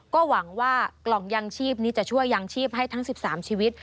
ก็หวังว่ากล่องยางชีพนี้จะช่วยยังชีพให้ทั้ง๑๓ชีวิต